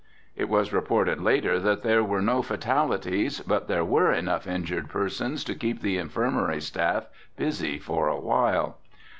It was reported later that there were no fatalities, but there were enough injured persons to keep the infirmary staff busy for awhile.